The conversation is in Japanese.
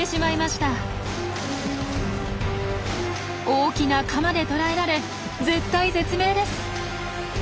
大きな鎌で捕らえられ絶体絶命です。